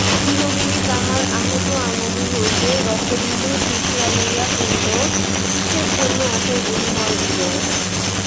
বিনোদিনী তাহার আহত অঙ্গুলি হইতে রক্তবিন্দু শুষিয়া লইয়া কহিল, কিসের জন্য এত অনুনয়-বিনয়।